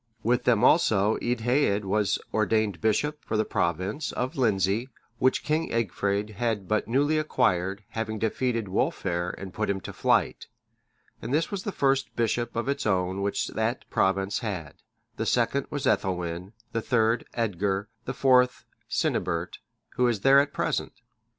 With them also Eadhaed(603) was ordained bishop for the province of Lindsey, which King Egfrid had but newly acquired, having defeated Wulfhere and put him to flight;(604) and this was the first bishop of its own which that province had; the second was Ethelwin;(605) the third Edgar;(606) the fourth Cynibert,(607) who is there at present.